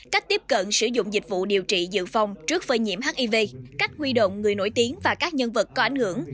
cách tiếp cận sử dụng dịch vụ điều trị dự phòng trước phơi nhiễm hiv cách huy động người nổi tiếng và các nhân vật có ảnh hưởng